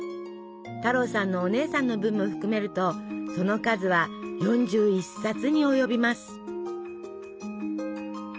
太郎さんのお姉さんの分も含めるとその数は４１冊に及びます。